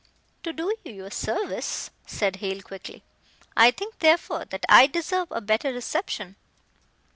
"To do you a service," said Hale quickly. "I think, therefore, that I deserve a better reception."